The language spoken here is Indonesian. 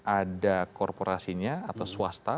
ada korporasinya atau swasta